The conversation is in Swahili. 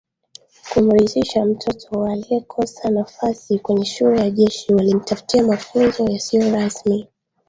Kumridhisha mtoto wa aliyekosa nafasi kwenye shule ya jeshi walimtafutia mafunzo yasiyo rasmi